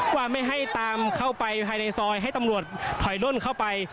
ว่าไม่ให้ตามเข้าไปภายในซอยให้ตำรวจถอยล่นเข้าไป